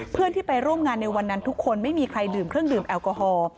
เพื่อนที่ไปร่วมงานในวันนั้นทุกคนไม่มีใครดื่มเครื่องดื่มแอลกอฮอล์